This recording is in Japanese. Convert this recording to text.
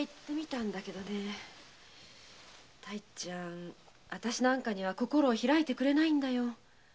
太一ちゃんあたしなんかには心を開いてくれないんだよ。